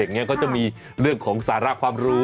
เขาจะมีเรื่องของสาระความรู้